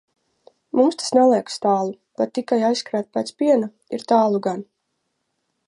Mums tas neliekas tālu, bet tikai aizskriet pēc piena ir tālu gan.